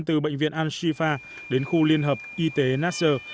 từ bệnh viện ansifa đến khu liên hợp y tế nasser